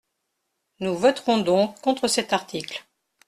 Nous voterons donc contre cet article.